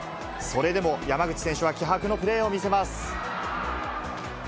それでも山口選手は気迫のプレーを見せます。